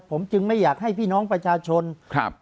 ผมจึงไม่อยากให้พี่น้องประชาชนครับ